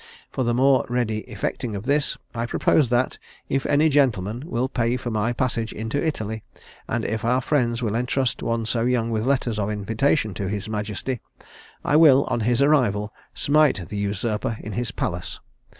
For the more ready effecting of this, I propose that, if any gentleman will pay for my passage into Italy, and if our friends will entrust one so young with letters of invitation to his majesty, I will, on his arrival, smite the usurper in his palace.